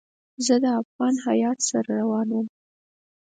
زه د افغان هیات سره روان وم.